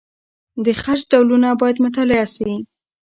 د خج ډولونه باید مطالعه سي.